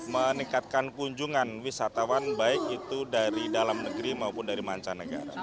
meningkatkan kunjungan wisatawan baik itu dari dalam negeri maupun dari mancanegara